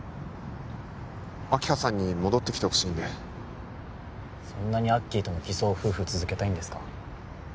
明葉さんに戻ってきてほしいんでそんなにアッキーとの偽装夫婦続けたいんですか？